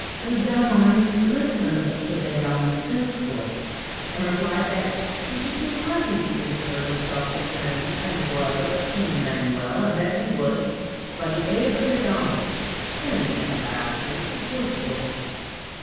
The Zamorin listened to Da Gama's discourse, and replied that he should be happy to consider himself the friend and brother of King Emmanuel, and that he would, by the aid of Da Gama, send ambassadors to Portugal.